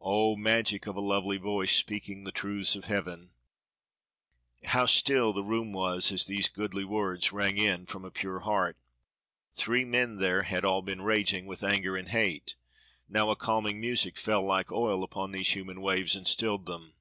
Oh! magic of a lovely voice speaking the truths of Heaven! How still the room was as these goodly words rang in it from a pure heart. Three men there had all been raging with anger and hate; now a calming music fell like oil upon these human waves, and stilled them.